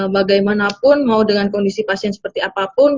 bagaimanapun mau dengan kondisi pasien seperti apapun